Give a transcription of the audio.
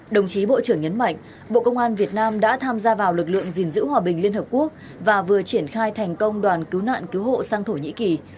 đồng chí bộ trưởng nhấn mạnh bộ công an việt nam đã tham gia vào lực lượng gìn giữ hòa bình liên hợp quốc và vừa triển khai thành công đoàn cứu nạn cứu hộ sang thổ nhĩ kỳ